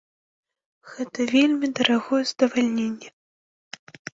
Гэта вельмі дарагое задавальненне.